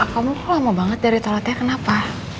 kamu lama banget dari toiletnya kenapa